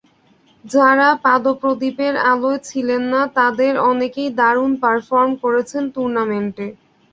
যাঁরা পাদপ্রদীপের আলোয় ছিলেন না, তাঁদের অনেকেই দারুণ পারফরম করেছেন টুর্নামেন্টে।